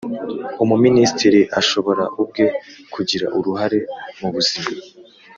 Umuminisitiri ashobora ubwe kugira uruhare mubuzima